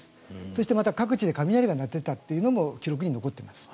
そしてまた、各地で雷が鳴っていたというのも記録に残っています。